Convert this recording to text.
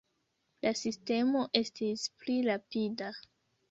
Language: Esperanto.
La sistemo estis pli rapida.